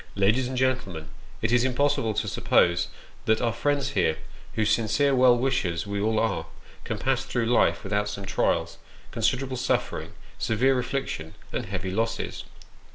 Ladies and gentlemen, it is impossible to suppose that our friends here, whose sincere well wishers we all are, can pass through life without some trials, considerable suffering, severe affliction, and heavy losses